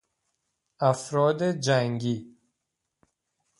افراد جنگی